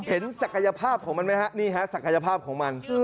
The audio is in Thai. ศักยภาพของมันไหมฮะนี่ฮะศักยภาพของมัน